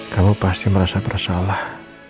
kamu pasti merasa bersalah